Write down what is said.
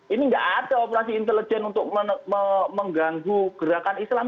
ini nggak ada operasi intelijen untuk mengganggu gerakan islam